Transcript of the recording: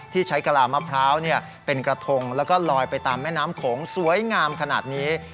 ที่ใช้กะลามะพร้าวเป็นกระทงแล้วก็ลอยไปตามแม่น้ำโขงสวยงามขนาดนี้